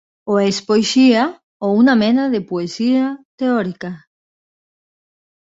O és poesia, o una mena de poesia teòrica.